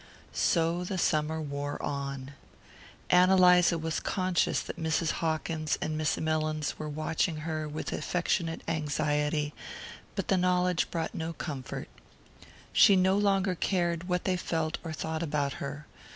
So the summer wore on. Ann Eliza was conscious that Mrs. Hawkins and Miss Mellins were watching her with affectionate anxiety, but the knowledge brought no comfort. She no longer cared what they felt or thought about her.